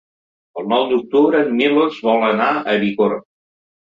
El nou d'octubre en Milos vol anar a Bicorb.